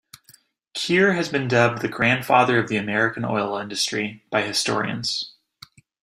Kier has been dubbed the "Grandfather of the American Oil Industry" by historians.